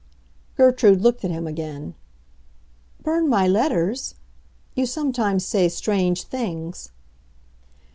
Gertrude looked at him again. "Burn my letters? You sometimes say strange things."